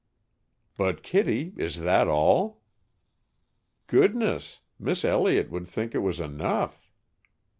"But, Kittie, is that all?" "Goodness! Miss Elliott would think it was enough!"